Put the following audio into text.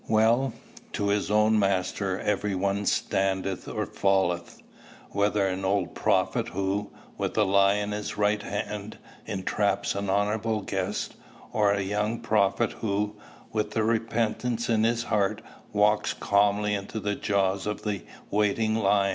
Well, to his own master every one standeth or falleth; whether an old prophet who, with a lie in his right hand, entraps an honorable guest, or a young prophet who, with repentance in his heart, walks calmly into the jaws of the waiting lion.